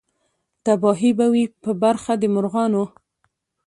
تباهي به وي په برخه د مرغانو